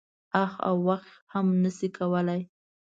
اخ او واخ هم نه شم کولای.